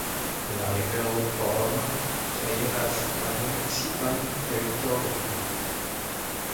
La rivero Porma trairas la municipan teritorion.